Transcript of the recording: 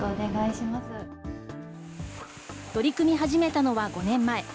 取り組み始めたのは５年前。